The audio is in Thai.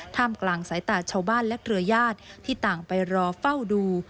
กลางสายตาชาวบ้านและเครือญาติที่ต่างไปรอเฝ้าดู